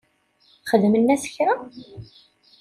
Xedmen-as kra?